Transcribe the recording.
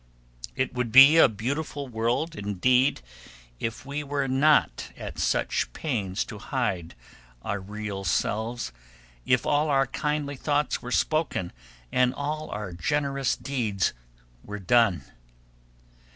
It would be a beautiful world, indeed, if we were not at such pains to hide our real selves if all our kindly thoughts were spoken and all our generous deeds were done.